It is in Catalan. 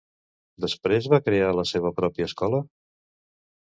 Després va crear la seva pròpia escola?